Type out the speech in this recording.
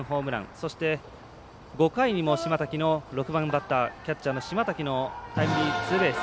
そして５回にも６番バッターキャッチャーの島瀧のタイムリーツーベース。